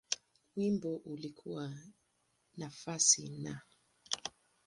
Wimbo ulikuwa nafasi Na.